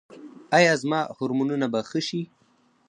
ایا زما هورمونونه به ښه شي؟